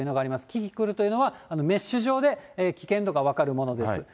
キキクルというのは、メッシュ状で危険度が分かるものです。